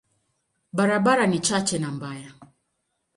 Barabara ni chache na mbaya.